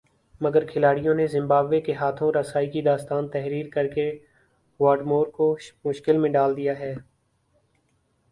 مگر کھلاڑیوں نے زمبابوے کے ہاتھوں رسائی کی داستان تحریر کر کے واٹمور کو مشکل میں ڈال دیا ہے